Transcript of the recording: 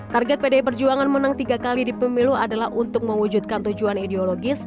target pdi perjuangan menang tiga kali di pemilu adalah untuk mewujudkan tujuan ideologis